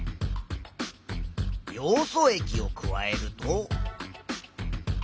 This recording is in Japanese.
ヨウ素液を加えると。